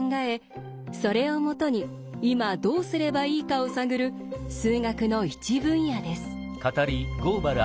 それをもとに今どうすればいいかを探る数学の一分野です。